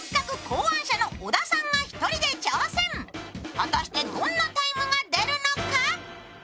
果たしてどんなタイムが出るのか？